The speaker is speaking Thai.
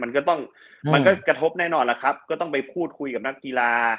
มันก็จะกระทบแน่นอนต้องไปพูดคุยกับนักกีฬา